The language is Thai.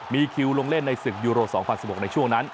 มีคิวลงเล่นในศึกยูโร๒๐๑๖ในช่วงนั้น